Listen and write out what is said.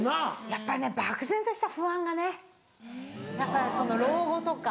やっぱりね漠然とした不安がねやっぱりその老後とか。